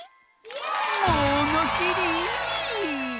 ものしり！